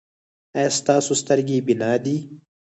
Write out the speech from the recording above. ایا ستاسو سترګې بینا دي؟